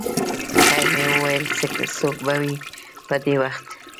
خیر مې وویل څوک به وي په دې وخت.